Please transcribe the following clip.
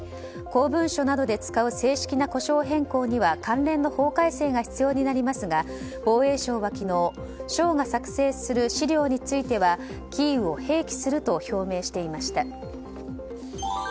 公文書などで使う正式な呼称変更には関連の法改正が必要になりますが防衛省は昨日省が作成する資料についてはキーウを併記すると表明していました。